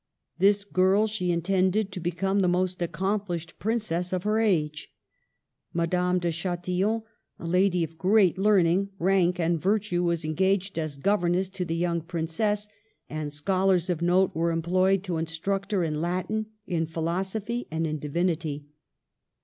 This girl she intended to become the most accomplished princess of her age. Madame de Chatillon, a lady of great learning, rank, and virtue, was engaged as gov erness to the young princess, and scholars of note were employed to instruct her in Latin, in philosophy, and in divinity.